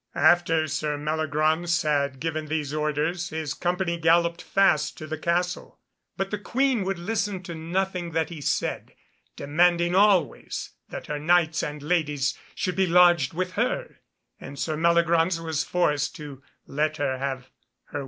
After Sir Meliagraunce had given these orders his company galloped fast to the castle; but the Queen would listen to nothing that he said, demanding always that her Knights and ladies should be lodged with her, and Sir Meliagraunce was forced to let her have her will.